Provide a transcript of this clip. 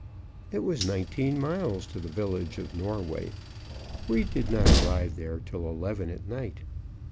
It was nineteen miles to the village of Norway; we did not arrive there till eleven at night.